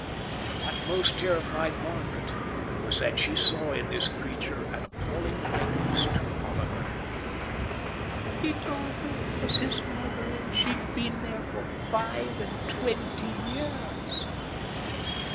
But what most terrified Margaret was that she saw in this creature an appalling likeness to Oliver. "He told me it was his mother, and she'd been there for five and twenty years."